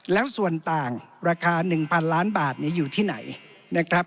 แล้วส่วนต่างราคา๑๐๐๐ล้านบาทอยู่ที่ไหนนะครับ